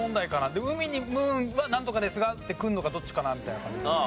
で「海にｍｏｏｎはなんとかですが」ってくるのかどっちかなみたいな感じで。